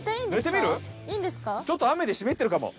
ちょっと雨で湿ってるかも。